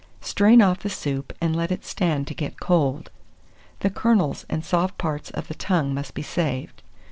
Strain off the soup, and let it stand to get cold. The kernels and soft parts of the tongue must be saved.